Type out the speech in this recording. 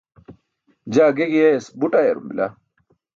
jaa ge giyayas buṭ ayarum bila